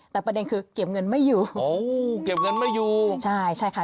แต่ประเด็นคือเก็บเงินไม่อยู่อ๋อเก็บเงินไม่อยู่ใช่ใช่ค่ะ